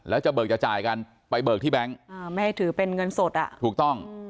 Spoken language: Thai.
แล้วจะเบิกจะจ่ายกันไปเบิกที่แบงค์ไม่ให้ถือเป็นเงินสดอ่ะถูกต้อง